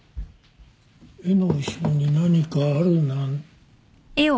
絵の後ろに何かあるなん。